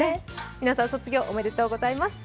皆さん、卒業おめでとうございます。